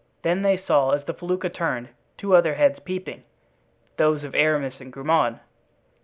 Then they saw, as the felucca turned, two other heads peeping, those of Aramis and Grimaud.